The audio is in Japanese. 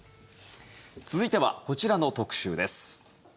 続いてはこちらの特集です。